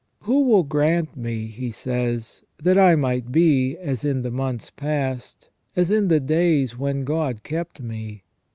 " Who will grant me," he says, " that I might be as in the months past, as in the days when God kept me.